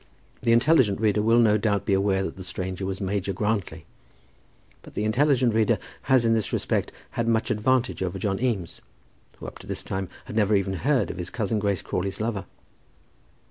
The intelligent reader will no doubt be aware that the stranger was Major Grantly; but the intelligent reader has in this respect had much advantage over John Eames, who up to this time had never even heard of his cousin Grace Crawley's lover.